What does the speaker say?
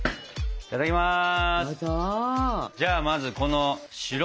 いただきます！